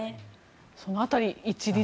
その辺り、一律